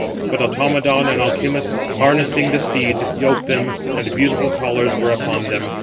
But Automedon and Alcimus, harnessing the steeds, yoked them; and beautiful collars were upon them.